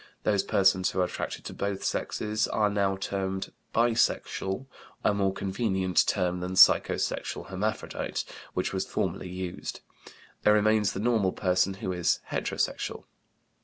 Those persons who are attracted to both sexes are now usually termed "bisexual," a more convenient term than "psycho sexual hermaphrodite," which was formerly used. There remains the normal person, who is "heterosexual."